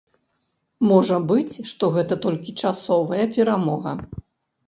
Можа быць, што гэта толькі часовая перамога.